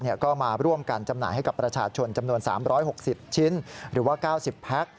ก็มาร่วมกันจำหน่ายให้กับประชาชนจำนวน๓๖๐ชิ้นหรือว่า๙๐แพ็ค